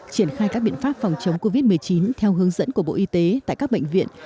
triển khai các biện pháp phòng chống covid một mươi chín theo hướng dẫn của bộ y tế tại các bệnh viện